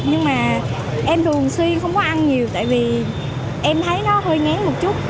nhưng mà em thường xuyên không có ăn nhiều tại vì em thấy nó hơi ngán một chút